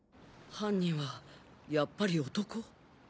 犯人はやっぱり男？